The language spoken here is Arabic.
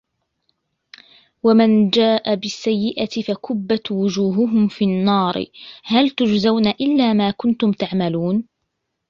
ومن جاء بالسيئة فكبت وجوههم في النار هل تجزون إلا ما كنتم تعملون